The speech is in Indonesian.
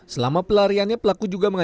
selama pelariannya pelaku juga mengatakan